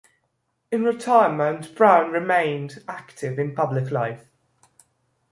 In retirement Brown remained active in public life.